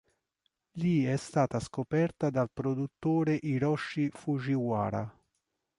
Lì è stata scoperta dal produttore Hiroshi Fujiwara.